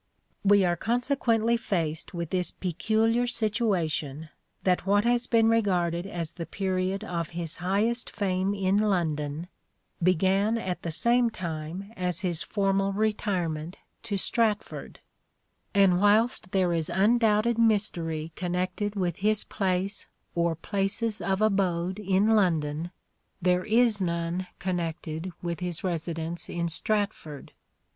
We are consequently faced with this peculiar uncertain situation that what has been regarded as the period habitati°n of his highest fame in London, began at the same time as his formal retirement to Stratford ; and whilst there is undoubted mystery connected with his place or places of abode in London , there is none connected with his residence in Stratford.